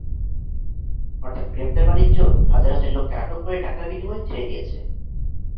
অর্থাৎ গ্রেপ্তার-বাণিজ্য, হাজার হাজার লোককে আটক করে টাকার বিনিময়ে ছেড়ে দিয়েছে।